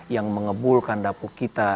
yang mengebulkan dapur kita